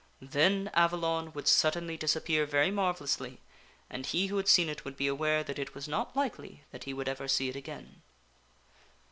Then Avalon would suddenly dis appear very marvellously, and he who had seen it would be aware that it was not likely that he would ever see it again.